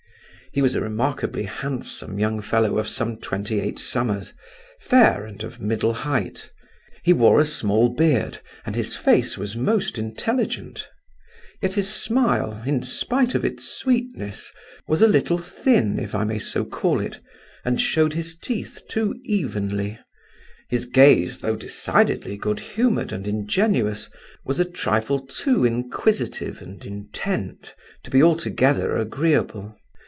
He was a remarkably handsome young fellow of some twenty eight summers, fair and of middle height; he wore a small beard, and his face was most intelligent. Yet his smile, in spite of its sweetness, was a little thin, if I may so call it, and showed his teeth too evenly; his gaze though decidedly good humoured and ingenuous, was a trifle too inquisitive and intent to be altogether agreeable.